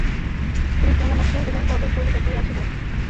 তুমি কেমন আছ এবং কবে কলিকাতায় আসিবে, জানাইয়া আমাকে নিশ্চিন্ত ও সুখী করিবে।